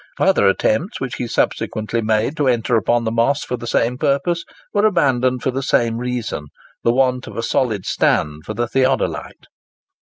Other attempts which he subsequently made to enter upon the Moss for the same purpose, were abandoned for the same reason—the want of a solid stand for the theodolite.